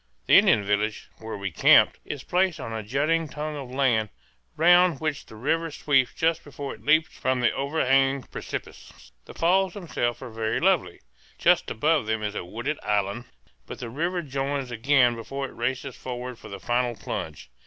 The Indian village, where we camped, is placed on a jutting tongue of land round which the river sweeps just before it leaps from the over hanging precipice. The falls themselves are very lovely. Just above them is a wooded island, but the river joins again before it races forward for the final plunge.